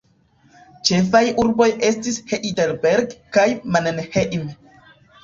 Ĉefaj urboj estis Heidelberg kaj Mannheim.